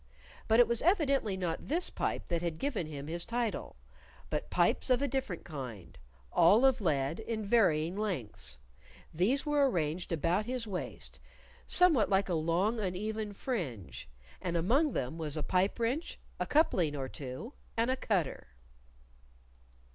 But it was evidently not this pipe that had given him his title; but pipes of a different kind all of lead, in varying lengths. These were arranged about his waist, somewhat like a long, uneven fringe. And among them was a pipe wrench, a coupling or two, and a cutter.